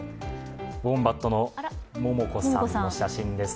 ウォンバットのモモコさんの写真です。